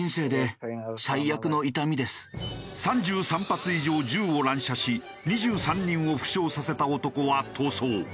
３３発以上銃を乱射し２３人を負傷させた男は逃走。